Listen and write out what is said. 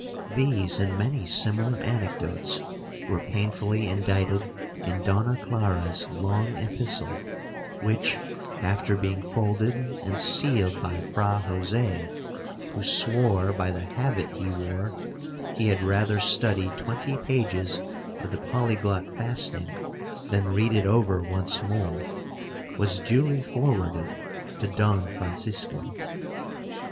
These and many similar anecdotes were painfully indited in Donna Clara's long epistle, which, after being folded and sealed by Fra Jose, (who swore by the habit he wore, he had rather study twenty pages of the Polyglot fasting, than read it over once more), was duly forwarded to Don Francisco.